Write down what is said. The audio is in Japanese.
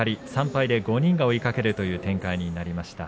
３敗で５人が追いかける展開になりました。